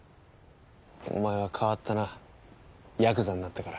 お前は変わったなヤクザになってから。